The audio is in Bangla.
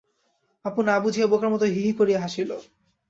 অপু না বুঝিয়া বোকার মতো হি হি করিয়া হাসিল।